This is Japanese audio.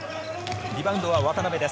リバウンドは渡邊です。